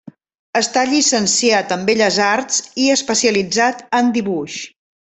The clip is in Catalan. Està llicenciat en belles arts i especialitzat en dibuix.